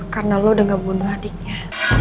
karena lo udah gak bunuh adiknya